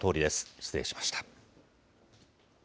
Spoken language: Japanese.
失礼しました。